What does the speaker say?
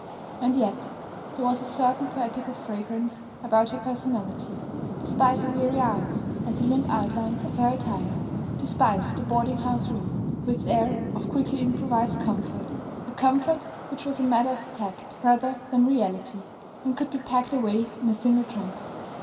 And yet there was a certain poetical fragrance about her personality, despite her weary eyes and the limp outlines of her attire, despite the boarding house room, with its air of quickly improvised comfort, a comfort which was a matter of tact rather than reality and could be packed away in a single trunk.